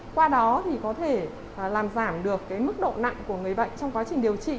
qua đó thì có thể làm giảm được mức độ nặng của người bệnh trong quá trình điều trị